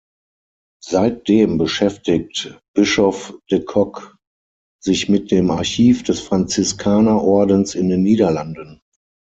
Seitdem beschäftigt Bischof De Kok sich mit dem Archiv des Franziskanerordens in den Niederlanden.